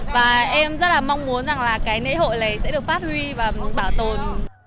và em rất là mong muốn rằng là cái lễ hội này sẽ được phát huy và bảo tồn